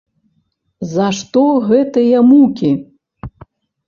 За што гэтыя мукі?